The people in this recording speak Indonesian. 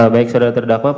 baik saudara terdakwa